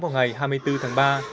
vào ngày hai mươi bốn tháng ba